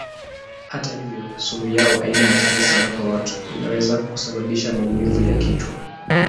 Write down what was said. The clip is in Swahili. Hata hivyo sumu yao haina hatari sana kwa watu; inaweza kusababisha maumivu ya kichwa.